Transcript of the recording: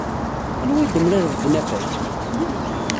Anwa ay d-temlaled deg unafag?